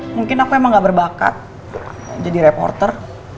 mungkin aku emang gak berbakat jadi reporter